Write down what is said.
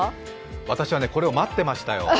私はね、これを待ってましたよ。